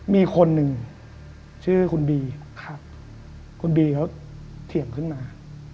มีคนหนึ่งชื่อคุณบีคุณบีเขาเถียงขึ้นมา